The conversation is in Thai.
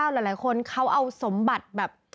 หลายคนเขาเอาสมบัติแบบ